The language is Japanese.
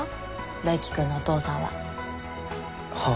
大樹君のお父さんは。はあ。